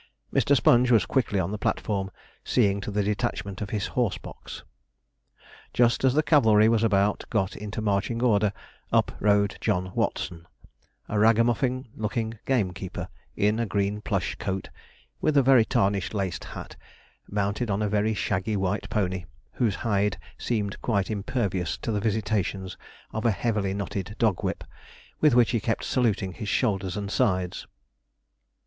Mr. Sponge was quickly on the platform, seeing to the detachment of his horse box. Just as the cavalry was about got into marching order, up rode John Watson, a ragamuffin looking gamekeeper, in a green plush coat, with a very tarnished laced hat, mounted on a very shaggy white pony, whose hide seemed quite impervious to the visitations of a heavily knotted dogwhip, with which he kept saluting his shoulders and sides.